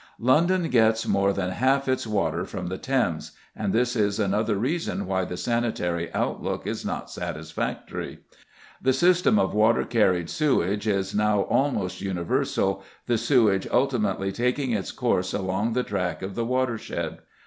London gets more than half its water from the Thames, and this is another reason why the sanitary outlook is not satisfactory. The system of water carried sewage is now almost universal, the sewage ultimately taking its course along the track of the watershed.